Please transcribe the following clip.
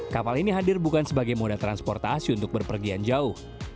kapal ini hadir bukan sebagai moda transportasi untuk berpergian jauh